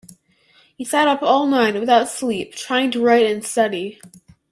He sat up all night, without sleep, trying to write and study